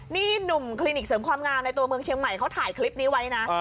นี่หนุ่มคลินิกเสริมความงามในตัวเมืองเชียงใหม่เขาถ่ายคลิปนี้ไว้นะ